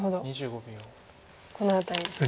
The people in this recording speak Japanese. この辺りですね。